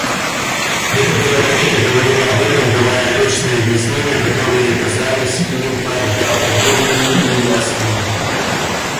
Некоторые открыто говорили об этом, давая точные объяснения, которые казались им правдоподобными и ясными.